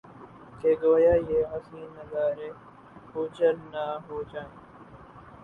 کہ گو یا یہ حسین نظارے اوجھل نہ ہو جائیں